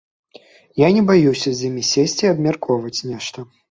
Я не баюся з імі сесці і абмяркоўваць нешта.